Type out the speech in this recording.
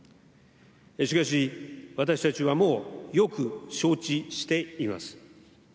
しかし、私たちはもうよく承知しています。